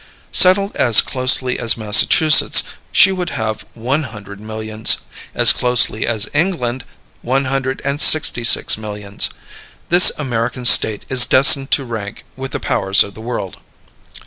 Settled as closely as Massachusetts, she would have one hundred millions; as closely as England, one hundred and sixty six millions. This American State is destined to rank with the powers of the world.